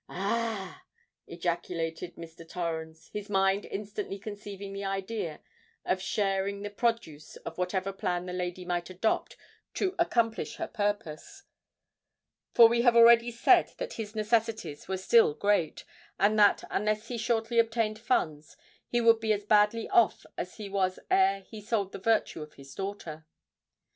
"Ah!" ejaculated Mr. Torrens, his mind instantly conceiving the idea of sharing the produce of whatever plan the lady might adopt to accomplish her purpose—for we have already said that his necessities were still great, and that, unless he shortly obtained funds, he would be as badly off as he was ere he sold the virtue of his daughter.